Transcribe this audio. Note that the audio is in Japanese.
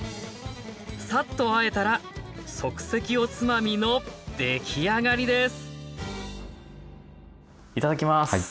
サッとあえたら即席おつまみの出来上がりですいただきます。